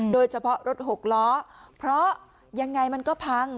โดยเฉพาะรถหกล้อเพราะยังไงมันก็พัง